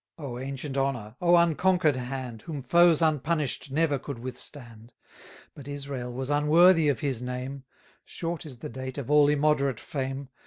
O ancient honour! O unconquer'd hand, Whom foes unpunish'd never could withstand! But Israel was unworthy of his name; Short is the date of all immoderate fame.